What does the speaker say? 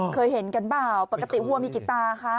เคยเห็นกันเปล่าปกติวัวมีกี่ตาคะ